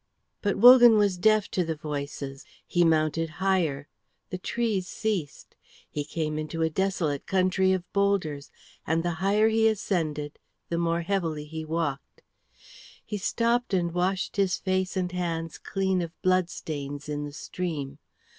But Wogan was deaf to the voices; he mounted higher, the trees ceased, he came into a desolate country of boulders; and the higher he ascended, the more heavily he walked. He stopped and washed his face and hands clean of blood stains in the stream.